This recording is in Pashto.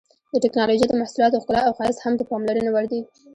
د ټېکنالوجۍ د محصولاتو ښکلا او ښایست هم د پاملرنې وړ دي.